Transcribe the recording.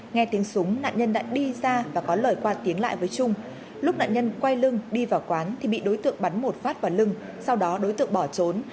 nghe tiếng súng nạn nhân đã đi ra và có lời qua tiếng lại với trung lúc nạn nhân quay lưng đi vào quán thì bị đối tượng bắn một phát vào lưng sau đó đối tượng bỏ trốn